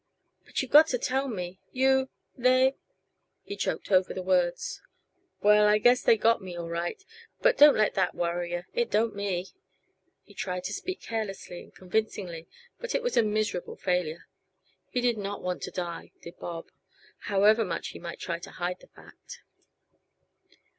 "But you've got to tell me. You they " He choked over the words. "Well I guess they got me, all right. But don't let that worry yuh; it don't me." He tried to speak carelessly and convincingly, but it was a miserable failure. He did not want to die, did Bob, however much he might try to hide the fact.